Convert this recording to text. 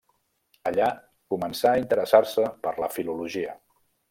Allà començà a interessar-se per la filologia.